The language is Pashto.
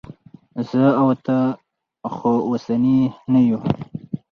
زه او ته خو اوسني نه یو.